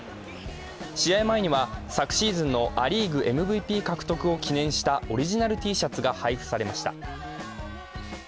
試合前には昨シーズンのア・リーグＭＶＰ獲得を記念したオリジナルＴシャツが配布されました。